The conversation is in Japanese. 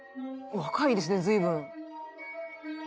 若いですね随分。